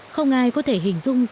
không ai có thể hình dung dòng suối